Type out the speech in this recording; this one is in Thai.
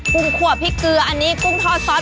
ุ้งขัวพริกเกลืออันนี้กุ้งทอดซอส